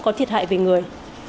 có thiệt hại về người